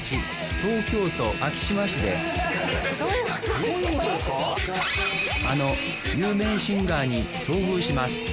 東京都昭島市であの有名シンガーに遭遇します